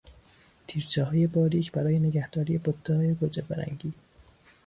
تیرچههای باریک برای نگهداری بتههای گوجهفرنگی